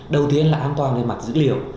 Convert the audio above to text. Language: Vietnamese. đầu tiên là an toàn về mặt dữ liệu